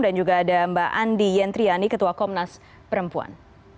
dan juga ada mbak andi yentriani ketua komnas perempuan